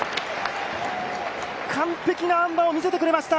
完璧なあん馬を見せてくれました。